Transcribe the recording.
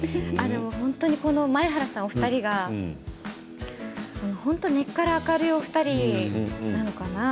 本当にこの前原さん、お二人が根っから明るいお二人なのかな？